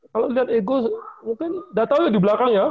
kalau liat ego mungkin udah tau ya